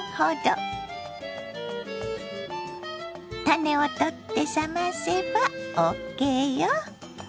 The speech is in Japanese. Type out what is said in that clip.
種を取って冷ませばＯＫよ。